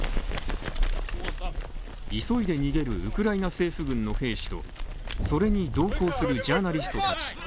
急いで逃げるウクライナ政府軍の兵士とそれに同行するジャーナリストたち。